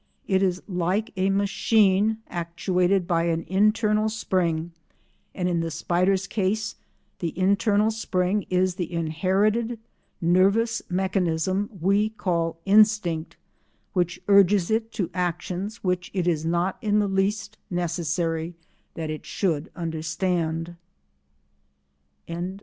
It is like a machine actuated by an internal spring, and in the spider's case the internal spring is the inherited nervous mechanism we call instinct, which urges it to actions which it is not in the least necessary that it should understand.